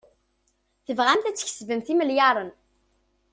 Tebɣamt ad tkesbemt imelyaṛen.